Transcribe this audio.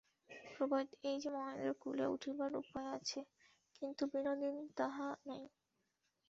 প্রভেদ এই যে মহেন্দ্রের কূলে উঠিবার উপায় আছে, কিন্তু বিনোদিনীর তাহা নাই।